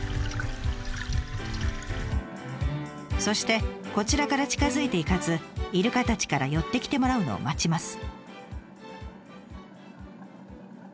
そしてこちらから近づいていかずイルカたちから寄ってきてもらうのを待ちます。